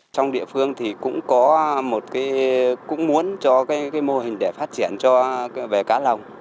trong địa phương thì cũng có một cái cũng muốn cho cái mô hình để phát triển về cá lồng